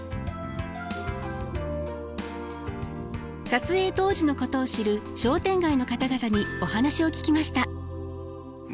撮影当時のことを知る商店街の方々にお話を聞きました。